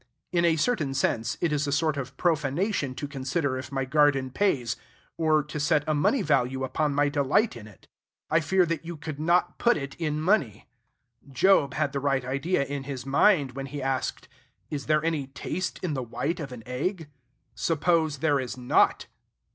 In a certain sense, it is a sort of profanation to consider if my garden pays, or to set a money value upon my delight in it. I fear that you could not put it in money. Job had the right idea in his mind when he asked, "Is there any taste in the white of an egg?" Suppose there is not!